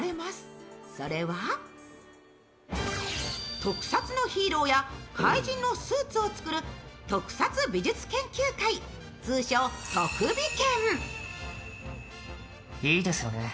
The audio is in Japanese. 特撮のヒーローや怪人のスーツを作る特撮美術研究会、通称・特美研。